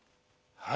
はい。